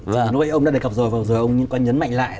và nó vậy ông đã đề cập rồi và giờ ông có nhấn mạnh lại